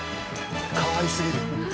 かわいすぎる。